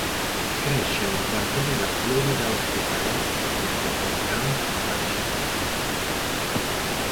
Cresce nel quartiere La Florida Hospitalet de Llobregat a Barcellona.